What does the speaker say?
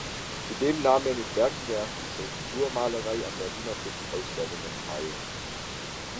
Zudem nahm er mit Werken der Architekturmalerei an Berliner Kunstausstellungen teil.